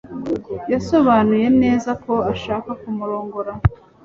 Yasobanuye neza ko ashaka kumurongora